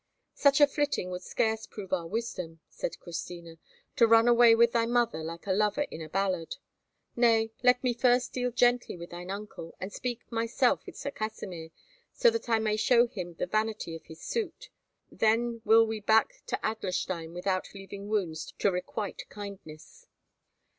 "Such a flitting would scarce prove our wisdom," said Christina, "to run away with thy mother like a lover in a ballad. Nay, let me first deal gently with thine uncle, and speak myself with Sir Kasimir, so that I may show him the vanity of his suit. Then will we back to Adlerstein without leaving wounds to requite kindness."